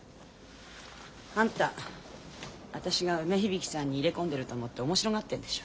あんた私が梅響さんに入れ込んでると思って面白がってんでしょ。